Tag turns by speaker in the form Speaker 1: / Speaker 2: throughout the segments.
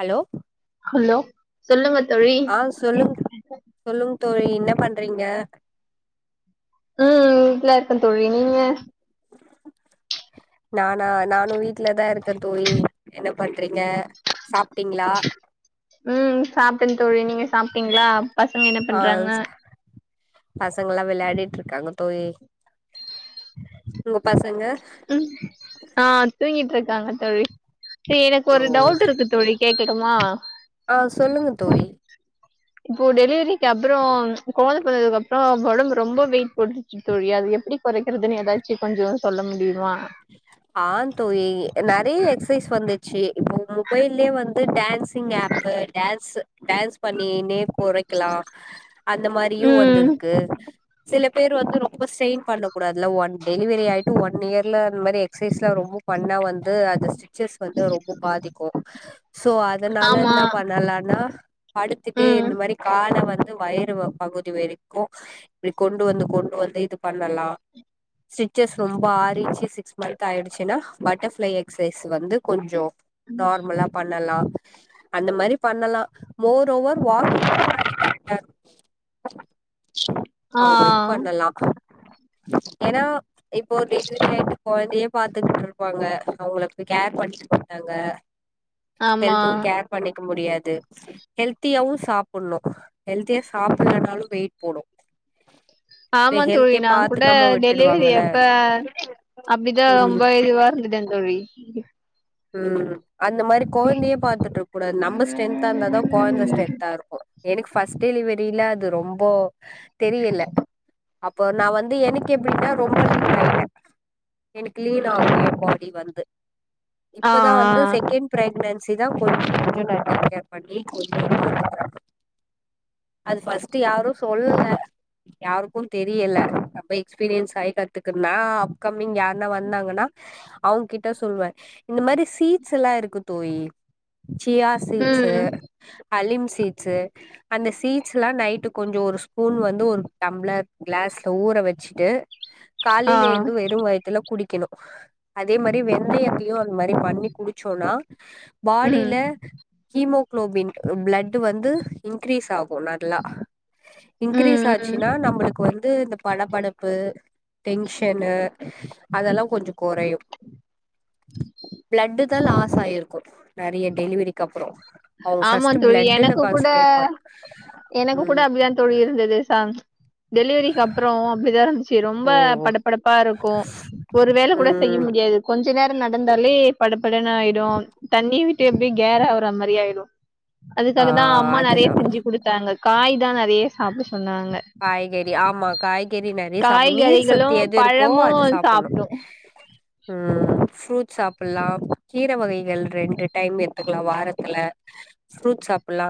Speaker 1: Hello
Speaker 2: hello சொல்லுங்க தோழி
Speaker 1: ஆ சொல்லுங் சொல்லுங் தோழி என்ன பண்றீங்க
Speaker 2: உம் வீட்ல இருக்கந் தோழி நீங்க
Speaker 1: [inaudible] நானா நானு வீட்லதா இருக்க தோழி என்ன பண்றீங்க சாப்டீங்களா
Speaker 2: ம் சாப்டே தோழி நீங்க சாப்டீங்களா
Speaker 1: ஆ ச் பசங்கெள்ளா வெளயாடிட்டுருக்காங்க தோழி உங்க பசங்க
Speaker 2: ம் ஆ தூங்கிட்டு இருக்காங்க தோழி எனக்கு
Speaker 1: ஓ
Speaker 2: ஒரு டவுட் இருக்கு தோழி கேக்கட்டுமா
Speaker 1: ஆ சொல்லுங்க தோழி
Speaker 2: இப்போ டெலிவரிக்கு அப்றோ கொழந்த பெறந்ததுக்கு அப்றோ ஒடம்பு ரொம்ப வெய்ட் போற்றுச்சு தோழி அது எப்டி கொறைக்கிறதுன் ஏதாச்சு கொஞ்சோ சொல்ல முடியுமா
Speaker 1: [inaudible] ஆ தோழி நெறைய எக்சசைஸ் வந்துச்சு இப்போ உங்க மொபைல்லயே வந்து டேன்சிங் ஆப்பு டேன்சு டேன்ஸ் பண்ணினே கொறைக்கலா அந்த மாரியு
Speaker 2: ம்
Speaker 1: வந்துரு க்கு சில பேர் வந்து ரொம்ப ஸ்டெய்ன் பண்ணக்கூடாதுல ஒன் டெலிவரி ஆயிட்டு ஒன் இயர் ல்ல அந் மாரி எக்சைஸ்லா ரொம்ப பண்ணா வந்து அது ஸ்டிச்சஸ் வந்து ரொம்ப பாதிக்கு சோ அதனால
Speaker 2: ஆமா
Speaker 1: என்ன பண்ணலானா படுத்துட்டே
Speaker 2: ம்
Speaker 1: இந்த மாரி கால வந் து வயறு பகுதி வரைக்கு இப்டி கொண்டு வந்து கொண்டு வந்து இது பண்ணலா ஸ்டிச்சஸ் ரொம்ப ஆறிடிச்சு சிக்ஸ் மந்த் ஆயிடுச்சுனா பட்டர்ஃப்ளை எக்சைஸ் வந்து கொஞ்சோ நார்மலா பண்ணலா அந்த மாரி பண்ணலா மோர் ஓவர் வாக் [inaudible] [inaudible]
Speaker 2: ஆ
Speaker 1: அவங்க இது பண்ணலா ஏன்னா இப்போ [unintelligible] கொழந்தையே பாத்துக்கிட்டு இருப்பாங்க அவங்களுக்கு கேர் பண்ணிக்க மாட்டாங்க
Speaker 2: ஆமா
Speaker 1: ஹெல்து கேர் பண்ணிக்க முடியாது ஹெல்த்தியாவு சாப்புடுணு ஹெல்தியா சாப்பிட்லனாலு வெயிட் போடு இப்ப
Speaker 2: ஆமா தோழி
Speaker 1: ஹெல்த்தியா
Speaker 2: நா கூட
Speaker 1: பாத்துக்காம
Speaker 2: டெலிவரி
Speaker 1: விட்டுடுவாங்கல்ல
Speaker 2: அப்ப அப்டிதா
Speaker 1: ம்
Speaker 2: ரொம்ப இதுவா இருந்துட்டே தோழி
Speaker 1: ம் அந்த மாரி கொழந்தையே பாத்துட்டு இருக்கூடாது நம்ம ஸ்ட்ரென்தா இருந்தாதா கொழந்த ஸ்ட்ரென்தா இருக் கு ஃபஸ்ட் டெலிவரியில அது ரொம்ப தெரியில அப்போ நா வந்து எனக்கு எப்டினா ரொம்ப லீன் ஆய்ட்ட எனக் லீன் ஆகு எ பாடி வந்து
Speaker 2: ஆ
Speaker 1: இப்பதா வந்து
Speaker 2: ஆ.
Speaker 1: செகண்ட் ப்ரெக்னன்சி தா கொஞ்சோ கேர் பண்ணி கேர் பண்ணி [inaudible] அது ஃபஸ்ட்டு யாரு சொல்லல யாருக்கு தெரியல அப்ப எக்ஸ்பீரியன்ஸ் ஆயி கத்துக்குன்னா அப்கம்மிங் யாருனா வந்தாங்கன்னா அவங்கிட்ட சொல்லுவே இந்த மாரி சீட்ஸ் எல்லா இருக்கு தோழி சியா சீட்ஸ்சு
Speaker 2: ம்.
Speaker 1: அலிம் சீட்ஸ்சு அந்த சீட்ஸ்லா நைட்டு கொஞ்சோ ஒரு ஸ்பூன் வந்து ஒரு டம்ளர் க்ளாஸ்ல ஊற வெச்சுட்டு
Speaker 2: ஆ.
Speaker 1: காலேல ஏந்து வெறு வயத்துல குடிக்கணு அதே மாரி வெந்தயத்தி தியு அந்த மாரி பண்ணி குடிச்சோனா பாடில
Speaker 2: ம்.
Speaker 1: ஹீமோகுளோபின் பிளட் வந்து இன்க்ரீஸ் ஆகு நல்லா இன்கிரீஸ்
Speaker 2: ம் ம்.
Speaker 1: ஆச்சுனா நம்முளுக்கு வந்து இந்த படபடப்பு டென்ஷனு அதல்லா கொஞ்சோ கொறையு பிளட்டு தா லாஸ் ஆயிருக்கும் நெறைய டெலிவரிக்கு அப்பற அவங்க
Speaker 2: ஆமா
Speaker 1: ஃபஸ்டு
Speaker 2: தோழி.
Speaker 1: பிளட்டுல
Speaker 2: எனக்கு கூட
Speaker 1: கான்சன்ட்ரேட் பண்ணு
Speaker 2: எனக்கு கூட
Speaker 1: ம்
Speaker 2: அப்டிதான் தோழி இருந்தது ச டெலிவரிக்கு அப்பற அப்டிதா இருந்து சரி ரொம்ப
Speaker 1: ஓ
Speaker 2: படப்படப்பா இருக்கும் ஒரு வேள கூட செய்ய
Speaker 1: ம்
Speaker 2: முடியாது கொஞ்ச நேர நடந்தாலே படப்படன்னு ஆயிடு தண்ணி விட்டு எப்டி கேரா வற மாரி ஆயிடு
Speaker 1: ஆ
Speaker 2: அதுக்காக தா அம்மா நெறைய
Speaker 1: அதுதா
Speaker 2: செஞ்சு குடுத்தாங்க காய் தா நெறைய சாப்ட சொன்னாங்க
Speaker 1: காய்கறி ஆமா காய்கறி நெறைய சாப்புணும் நீர் சத்
Speaker 2: காய்கறிகளும்
Speaker 1: எது இருக்கோ அத
Speaker 2: பழமும்
Speaker 1: சாப்புணு
Speaker 2: சாப்டும்
Speaker 1: ம் ஃப்ரூட்ஸ் சாப்டலா கீர வகைகள் ரெண்டு டைம் எடுத்துக்கலா வாரத்துல ப்ரூட்ஸ் சாப்பல்லா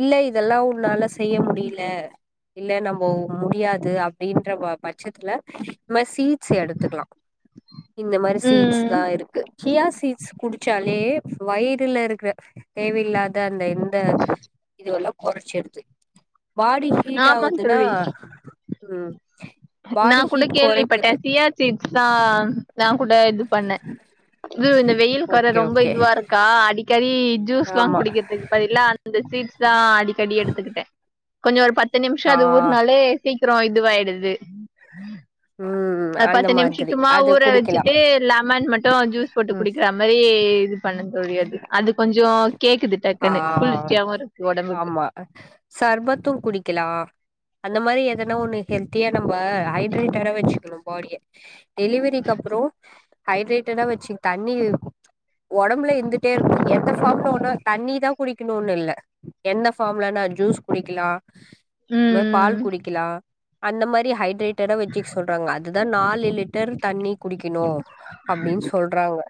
Speaker 1: இல்ல இதல்லா உன்னால செய்ய முடில இல்ல நம்ம முடியாது அப்டின்ற பட்சத்துல ம்ம சீட்ஸ் எடுத்துக்கலா இந்த மாரி சீட்ஸ்
Speaker 2: ம்
Speaker 1: தா இருக்கு கியா சீட்ஸ் குடிச்சாலே வயிறுல இருக்கற தேவயில்லாத அந்த இந்த இதுவல்லா கொறச்சு எடுத்து பாடி ஹீட்
Speaker 2: ஆமா
Speaker 1: ஆவுதுன்னா
Speaker 2: தோழி
Speaker 1: ம்
Speaker 2: நா
Speaker 1: பாடி
Speaker 2: கூட
Speaker 1: ஹீட்
Speaker 2: கேள்விப்பட்ட
Speaker 1: கொறைக்குது
Speaker 2: சியா சிட்ஸ் தா நா கூட இது பண்ண இ இந்த வெயில்கு வேர
Speaker 1: ஓகே
Speaker 2: ரொம்ப
Speaker 1: ஓகே
Speaker 2: இதுவா இருக்கா அடிக்கடி
Speaker 1: ஆமா
Speaker 2: ஜூஸ்லாகுடிக்கிறதுக்கு படிலா அந்த சீட்ஸ் தா அடிக்கடி எடுத்துக்கிட்ட கொஞ்சோ ஒரு பத்து நிம்ஷோ
Speaker 1: ஆ
Speaker 2: அது ஊற்னாலே சீக்ரோ இதுவாயிடுது
Speaker 1: ம்
Speaker 2: அது
Speaker 1: அந்த
Speaker 2: பத்து நிம்ஷ
Speaker 1: மாதிரி
Speaker 2: சும்மா
Speaker 1: அது
Speaker 2: ஊற
Speaker 1: குடிக்கலா
Speaker 2: வெச்சுட்டு லெமன் மட்டு ஜூஸ் போட்டு
Speaker 1: ம்
Speaker 2: குடிக்ற மாரி இது பண்ணு தோழி அது கொஞ்சோ கேக்குது
Speaker 1: ஆ
Speaker 2: டக்குன்னு குளிக்காம இருக்கு உடம்புக்கு
Speaker 1: ஆமா சர்பத்து குடிக்கலா அந்த மாரி எதனா ஒண்ணு ஹெல்த்தியா நம்ம ஹைட்ரேட்டடா வெச்சுக்குணு பாடிய டெலிவரிக்கு அப்றோ ஹைட்ரேட்டடா வெச்சுக் தண்ணி உடம்புல வந்துடே இருக்குன்னு எந்த ஃபார்ம்ல உனால் தண்ணி தா குடிக்கணுன்னு இல்ல என்ன ஃபார்ம்லன்னா ஜூஸ் குடிக்கலா பால்
Speaker 2: ம்
Speaker 1: குடிக்கலா அந்த மாதிரி ஹைட்ரேட் டடா வெச்சுக் சொல்றாங்க அதுதா நாலு லிட்டர் தண்ணி குடிக்கிணு அப்டின்னு சொல் றாங்க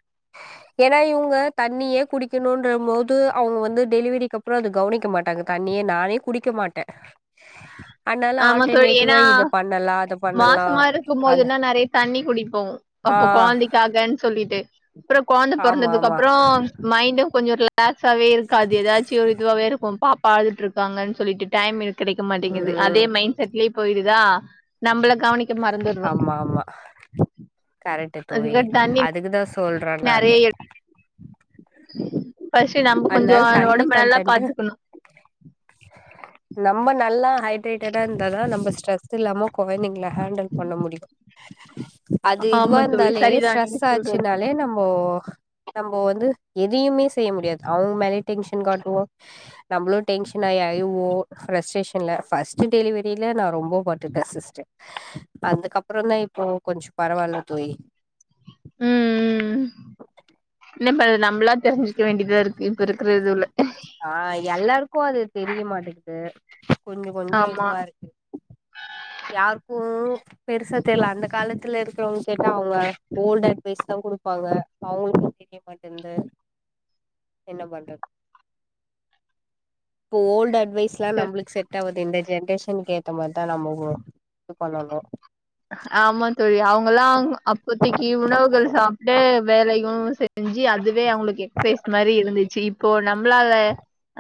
Speaker 1: ஏன்னா இவங்க தண்ணியே குடிக்கணுன்ற போது அவங்க வந்து டெலிவரிக்கப்றோ அது கவுனிக்க மாட்டாங்க தண்ணியே நானே குடிக்க மாட்ட அன்னால
Speaker 2: ஆமா தோழி
Speaker 1: ஆல்டர்னேட்டிவா
Speaker 2: ஏன்னா
Speaker 1: இத பண்ணலா அத பண்ணலா
Speaker 2: மாசமா இருக்கும்
Speaker 1: அத
Speaker 2: போதுன்னா நெறைய தண்ணி குடிப்போ அப்போ கொழய்ந்தைக்காகன்னு சொல்லிட்டு அப்பற குழந்த
Speaker 1: ஆமா
Speaker 2: புறந்ததுக்கு
Speaker 1: ஆமா
Speaker 2: அப்பற மைண்டு கொஞ்ச ரிலாக் ரிலாக்ஸாவவே இருக்காது ஏதாச்சு ஒரு இதுவாவே இருக்கு பாப்பா அழுதுட்டு இருக்காங்கன்னு சொல்லிட்டு டைம் இருக் கிடைக்க மாட்டிங்குது அதே
Speaker 1: ம்
Speaker 2: மைண்ட் செட்லயே போயிடுதா நம்மள கவனிக்க மறந்துடுறோ
Speaker 1: ஆமா ஆமா கரெக்டு தோழி
Speaker 2: அதுக்கு தண்ணி
Speaker 1: அதுக்குதா சொல்றே நானு
Speaker 2: நெறைய ஃபர்ஸ்ட் நம்ம கொஞ்ச
Speaker 1: அதனால தண்ணி
Speaker 2: உடம்பு நல்லா
Speaker 1: கன்டன்ட்
Speaker 2: பாத்துக்கணு
Speaker 1: நம்ம நல்லா ஹைட்ரேட்டடா இருந்தாதா நம்ம ஸ்ட்ரெஸ் து இல்லாம கொய்ந்தங்கள ஹேண்டல் பண்ண முடியு அது இதுவா
Speaker 2: ஆமா தோழி
Speaker 1: இருந்தாலே
Speaker 2: சரிதா
Speaker 1: ஸ்ட்ரெஸ்
Speaker 2: நீங்க சொல்றது
Speaker 1: ஆச்சுனாலே நம்மோ நம்ம வந்து எதயுமே செய்ய முடியாது அவங்க மேலயே டென்ஷன் காட்டுவோ நம்பளு டென்ஷனா அழுவோ ப்ரஸ்ட்ஸேஷன்ல ஃபர்ஸ்ட் டெலிவரியில நா ரொம்ப ப ட்டுட்டே சிஸ்டர் அதுகப்றோந்தா இப்போ கொஞ்சோ பரவால்ல தோயி
Speaker 2: ம் ம் [unintelligible] நம்மளா தெரிஞ்சுக்க வேண்டியதா இருக்கு இப்ப இருக்கற இதுல
Speaker 1: ஆ எல்லாருக்கு அது தெரிய மாட்டேங்குது கொஞ்ச கொஞ்சோ
Speaker 2: ஆமா
Speaker 1: இதுவா இருக் யார்க்கு பெருசா தெர்ல அந்த காலத்துல இருக்கிறவங்க கேட்டா அவுங்க ஓல்டு அட்வைஸ் தா குடுப்பாங்க அவுங்களுக்கு தெரியமாட் பட் இந்த என்ன பண்ற போ ஓல்டு அட்வைஸ்லா நமளுக்கு செட் ஆவது இந்த ஜென்ரேஷன்க்கு ஏத்த மாரிதா நம்மவு பண்ணணு
Speaker 2: ஆமா தோழி அவுங்கல்லா அப்பத்திக்கு உணவுகள் சாப்ட்டு வேலையு செ ஞ்சு அதுவே அவுங்களுக்கு எக்சசைஸ் மாரி இருந்துச்சு இப்போ நம்ளால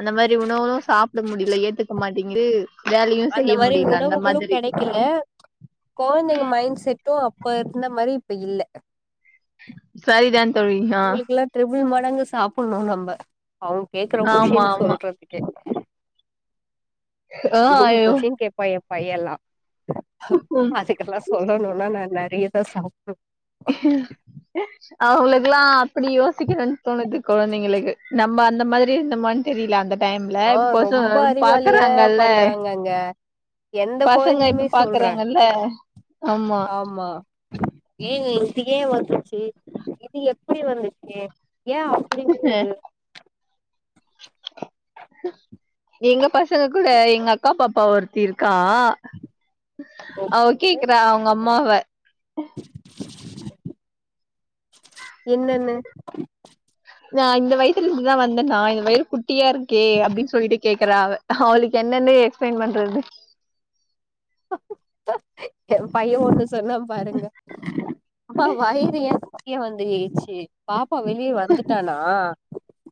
Speaker 2: அந்த மாரி உணவுகளு சாப்ட முடில ஏத்துக்க மாட்டேங்குது வேலையு
Speaker 1: அந்த
Speaker 2: செய்ய
Speaker 1: மாரி
Speaker 2: முடில அந்த
Speaker 1: உணவுகளு
Speaker 2: மாதிரி
Speaker 1: கெடைக்கல கொழந்தைங்க மைண்ட் செட்டு அப்ப இருந்த மாரி இப்ப இல்ல
Speaker 2: சரி தா தோழி ஆ
Speaker 1: டிரிபிள் மடங்கு சாப்புணு நம்ப அவுங்க கேக்குற
Speaker 2: ஆமா
Speaker 1: கொஷின்னு
Speaker 2: ஆமா
Speaker 1: சொல்றதுக்கே
Speaker 2: ஆ
Speaker 1: நூறு கொஷின் கேட்பா எ பையன்லா அதுக் இதெல்லா சொல்லணும்னா நா நெறையதா சாப்
Speaker 2: [inaudible] அவுகளுக்குக்கெல்லா அப்டி யோசிக்கணுன்னு தோணுது கொழந்தைங்களுக்கு நம்ம அந்த மாரி இருந்தோமனு தெரில அந்த டைம்ல
Speaker 1: ஆ
Speaker 2: இப் கொசோ
Speaker 1: ரொம்ப அறிவாளியா
Speaker 2: பாக்குறாங்கல்ல
Speaker 1: பண்றாங்கங்க எந்த
Speaker 2: பசங்க
Speaker 1: கொழந்தையுமே
Speaker 2: இப்ப
Speaker 1: சொல்ற
Speaker 2: பாக்குறாங்கல்ல ஆமா
Speaker 1: எங்க இது ஏ வந்துச்சு இது எப்டி வந்துச்சு ஏ அப்டி இதுங்குது
Speaker 2: எங்க பசங்க கூட எங்க அக்கா பாப்பா ஒருத் தி இருக்கா அவ கேக்குற அவுங்க அம்மாவ
Speaker 1: என்னன்னு
Speaker 2: நா இந்த வய்த்துல இருந்துதா வந்தன்னா இந்த வயறுகுட்டியா இருக்கே அப்டின் சொல்லிட்டு கேக்குறா அவ அவுளுக்கு என்னென்ன எக்ஸ்பிளை்ன் பண்றது
Speaker 1: ஏ பைய ஒன்னு சொன்னா பாருங்க அம்மா வயிறு ஏ கிழ வந்து [inaudible] பாப்பா வெளியே வந்துட்டானா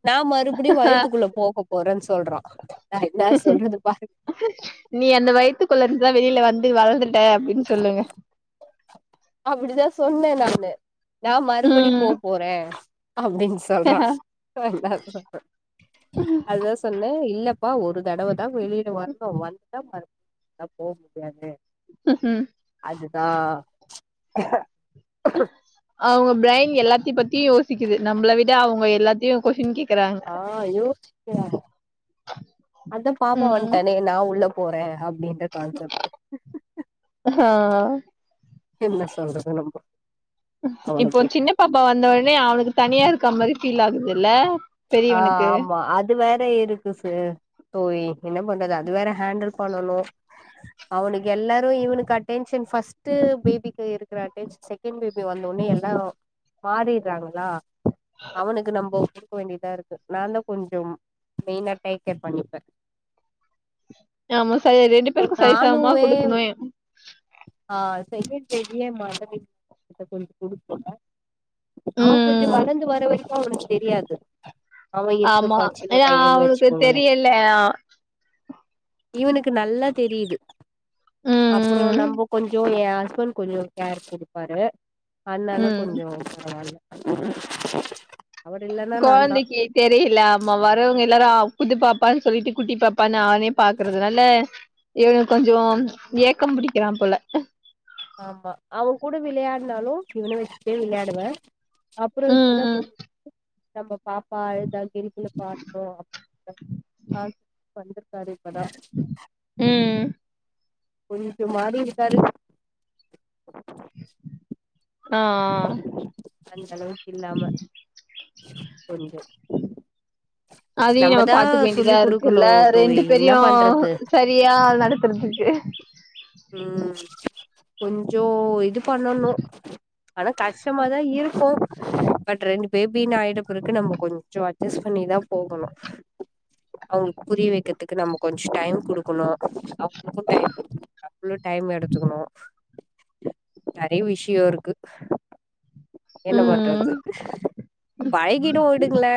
Speaker 1: நா மறுபடியு வயத்துக்குள்ள போக போறேன்னு சொல்றா நா என்ன சொல்றது பாரு
Speaker 2: நீ அந்த வயித்துக்குள்ள இருந்துதா வெளில வந்து வளந்துட்டே அப்டின்னு சொல்லுங்க
Speaker 1: அப்டிதா சொன்னே நானு நா மறுபடி போ
Speaker 2: ம்
Speaker 1: போறே அப்டின் சொல்றா [inaudible] அதா சொன்னே இல்லப்பா ஒரு தடவ தா வெளில வர்ணு வந்துட்டா மறுபடியு போ முடியாது
Speaker 2: [inaudible]
Speaker 1: அதுதா
Speaker 2: அவுங்க பிரைன் எல்லாத்தியு பத்தி யோசிக்குது நம்பள விட அவுங்க எல்லாத்தியு கொஷின் கேக்
Speaker 1: ஆ யோசிக்கிற அதா பாப்பா
Speaker 2: ம்
Speaker 1: வன்டானே நா உள்ளப் போறே அப்டின்ற கான்செப்ட்
Speaker 2: ஆ
Speaker 1: என்ன சொல்றது நம்போ அவள
Speaker 2: இப்போ
Speaker 1: போய்
Speaker 2: சின்ன பாப்பா வந்த உடனே அவனுக்கு தனியா இருக்க மாரி ஃபீல் ஆகுது இல்ல
Speaker 1: ஆ ஆமா அ து வேற இருக்கு ச தோழி என்ன பண்றது அது வேற ஹேண்டில் பண்ணணு அவனுக்கு எல்லாரு இவனுக்கு அட்டென்ஷன் ஃபர்ஸ்ட் பேபிக்கு இருக்குற அட்டென்ஷன் செகண்ட் பேபி வந்த ஒன்னே எல்லாரு மாறிர்றாங்களா அவனுக்கு நம்ப வேண்டியதா இருக்கு நா தா கொஞ்சம் மெயினா டேக்கேர் பண்ணி
Speaker 2: ஆமா சரியா ரெண்டு பேருக்கு சரிசமமா
Speaker 1: நானுவே
Speaker 2: குடுக்கணு
Speaker 1: ஆ செகண்ட் பேபியே [inaudible] குடுக்குங்க அவே கொஞ்சோ
Speaker 2: ம்.
Speaker 1: வளந்து வர்ற வரைக்கு அவனுக்கு தெரியாது அவே
Speaker 2: ஆமா.
Speaker 1: இருந்துப்பா சின்ன
Speaker 2: ஏன்னா
Speaker 1: பையன்னு
Speaker 2: அவனுக்கு
Speaker 1: வச்சுக்கோங்களே
Speaker 2: தெரியல.
Speaker 1: இவனுக்கு நல்லா தெரியுது அப்பறோ
Speaker 2: ம்,
Speaker 1: நம்ப கொஞ்சோ ஏ ஹஸ்பண்ட் கொஞ்சோ கேர் குடுப்பாரு
Speaker 2: ம்,
Speaker 1: அதுனால
Speaker 2: ம்.
Speaker 1: கொஞ்சோ பரவால்ல அவர் இல்லன்னா நான்தா
Speaker 2: கொழந்தைக்கு தெரியல ஆமா வர்றவங்க எல்லாரு புதுப்பாப்பான்னு சொல்லிட்டு குட்டி பாப்பான்னு அவனயே பாக்குறதுனால இவே கொஞ்சோ ஏக்கம் புடிக்கிறா போல
Speaker 1: ஆமா அவன் கூட விளையாடுனாலு இவன வச்சுட்டே விளையாடுவே அப்பறோ
Speaker 2: ம்,
Speaker 1: இப்பதா
Speaker 2: ம்,
Speaker 1: கொஞ்ச நம்ம பாப்பா அழுதா கிரிபில பாட்டோ அப்டின்ற ஆ தந்துருக்காரு இப்பதா
Speaker 2: ம்
Speaker 1: கொஞ்சம் மாறி இருக்காரு
Speaker 2: ஆ ஆ
Speaker 1: அந்த அளவுக்கு இல்லாம கொஞ்சோ
Speaker 2: அதயு நம்ம
Speaker 1: நம்மதா
Speaker 2: பாத்துக்க வேண்டியதா
Speaker 1: சொல்லி்
Speaker 2: இருக்குல்ல
Speaker 1: குடுக்கணு தோழி
Speaker 2: ரெண்டு
Speaker 1: என்ன
Speaker 2: பேரையு
Speaker 1: பண்றது
Speaker 2: சரியா நடத்துறதுக்கு
Speaker 1: ம் கொஞ்சோ இது பண்ணணு ஆனா கஷ்டமாதா இருக்கு பட் ரெண்டு பேபின்னு ஆயிட்ட பெறக்கு நம்ம கொஞ்சோ அட்ஜஸ்ட் பண்ணிதா போகணு அவங்களுக்கு புரிய வைக்கிறதுக்கு நம்ம கொஞ்சோ டைம் குடுக்கணு [inaudible] நம்மளு டைம் எடுத்துக்கணு நெறைய விஷயோ இருக்கு என்ன பண்றது
Speaker 2: ம்.
Speaker 1: பழகிடு விடுங்களே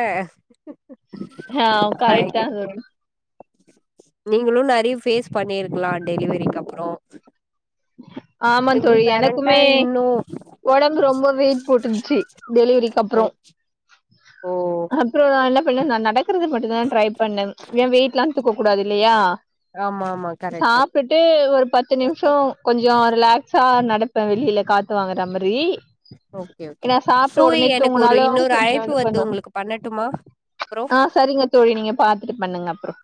Speaker 2: ஆ கரெக்ட்
Speaker 1: பழக்கிடு
Speaker 2: தான் தோழி.
Speaker 1: நீங்களு நெறைய ஃபேஸ் பண்ணிருக்கலா டெலிவரிக்கு அப்பறோ
Speaker 2: ஆமாந்தோழி
Speaker 1: பேரண்டா
Speaker 2: எனக்குமே
Speaker 1: இன்னு
Speaker 2: ஒடம்பு ரொம்ப வெயிட் போட்டுருச்சு டெலிவரிக்கு அப்பறோ
Speaker 1: ஓ
Speaker 2: அப்பறோ நா என்ன பண்ணே நா நடக்கறது மட்டுந்தா ட்ரை பண்ணே ஏ வெயிட்லா தூக்க கூடாது இல்லையா
Speaker 1: ஆமா ஆமா கரெக்ட்
Speaker 2: சாப்டுட்டு ஒரு பத்து நிமிஷோ கொஞ்சோ ரிலாக்ஸா நடப்பே வெளில காத்துவாங்குற மாரி
Speaker 1: ஓகே ஒகே [unintelligible] எனக்கு ஒரு
Speaker 2: தூங்குனாலும்
Speaker 1: இன்னொரு
Speaker 2: கொஞ்சம்
Speaker 1: அழைப்பு
Speaker 2: இது
Speaker 1: வருது
Speaker 2: பண்ணும்
Speaker 1: உங்களுக்கு பண்ணட்டுமா அப்றோ
Speaker 2: ஆ சரிங்க தோழி நீங்க பாத்துட்டு பண்ணுங்க அப்பறோ